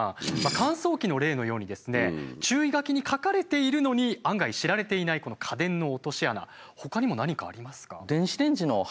乾燥機の例のようにですね注意書きに書かれているのに案外知られていない家電の落とし穴ほかにも何かありますか？